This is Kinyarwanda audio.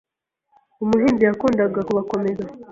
Umuhinzi yakundaga kubakomeza.